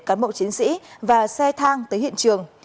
cán bộ chiến sĩ và xe thang tới hiện trường